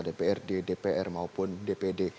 dprd dpr maupun dpd